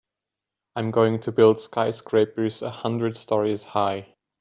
I'm going to build skyscrapers a hundred stories high.